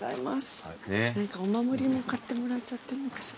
何かお守りも買ってもらっちゃっていいのかしら。